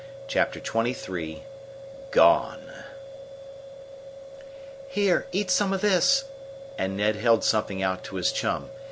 Chapter XXIII Gone "Here, eat some of this," and Ned held something out to his chum.